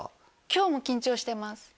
今日も緊張してます